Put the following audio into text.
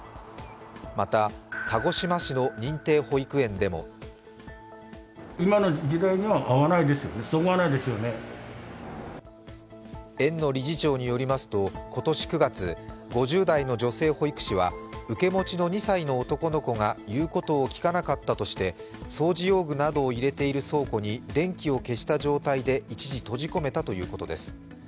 また鹿児島市の認定保育園でも園の理事長によりますと、今年９月、５０代の女性保育士は受け持ちの２歳の男の子が言うことを聞かなかったとして掃除用具などを入れている倉庫に電気を消した状態で一時、閉じ込めたということです。